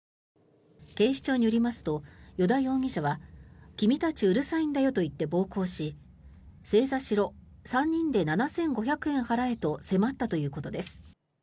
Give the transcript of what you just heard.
警視庁によりますと依田容疑者は君たちうるさいんだよと言って暴行し正座しろ３人で７５００円払えと迫ったということです。